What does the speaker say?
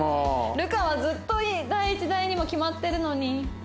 流佳はずっと第一第二も決まってるのに。